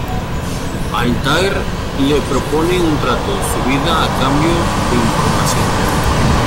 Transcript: Altaïr le propone un trato: su vida a cambio de información.